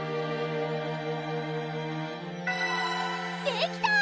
できた！